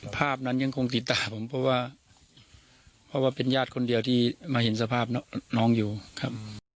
ภาพนั้นยังคงติดตาผมเพราะว่าเพราะว่าเป็นญาติคนเดียวที่มาเห็นสภาพน้องอยู่ครับ